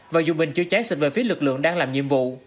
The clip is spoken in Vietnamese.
và dù mình chưa trái xịt về phía lực lượng đang làm nhiệm vụ